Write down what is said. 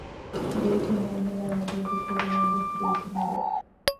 ރީތި މާމެލާމެލީގެ ތެރެއިން ވެސް ރީތި މަލެއް